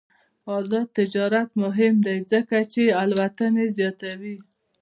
آزاد تجارت مهم دی ځکه چې الوتنې زیاتوي.